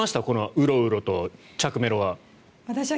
うろうろと着メロは。